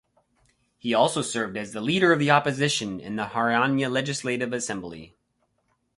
He also served as the leader of the opposition in the Haryana Legislative Assembly.